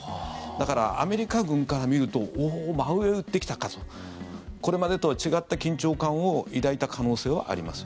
だから、アメリカ軍から見るとおー、真上撃ってきたかと。これまでとは違った緊張感を抱いた可能性はあります。